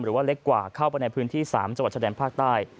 หรือว่าเล็กกว่าเข้าไปในพื้นที่๓จังหวัดชายแดนภาคใต้